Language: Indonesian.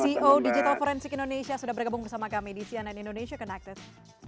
ceo digital forensik indonesia sudah bergabung bersama kami di cnn indonesia connected